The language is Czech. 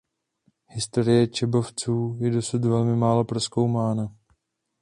Historie Čebovců je dosud velmi málo prozkoumána.